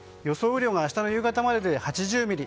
雨量が明日の夕方までで８０ミリ